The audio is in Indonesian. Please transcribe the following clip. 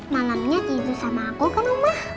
malamnya tidur sama aku kan umah